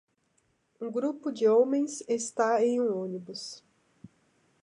Um grupo de homens está em um ônibus